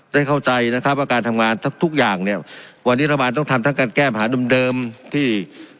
เข้าใจนะครับว่าการทำงานทุกอย่างเนี่ยวันนี้รัฐบาลต้องทำทั้งการแก้ปัญหาเดิมเดิมที่